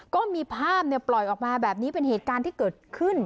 ก็มีภาพปล่อยออกมาแบบนี้เป็นเหตุการณ์ที่เกิดขึ้น